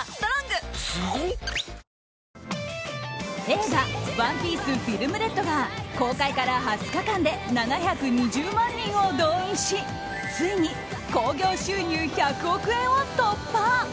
映画「ＯＮＥＰＩＥＣＥＦＩＬＭＲＥＤ」が公開から２０日間で７２０万人を動員しついに興行収入１００億円を突破。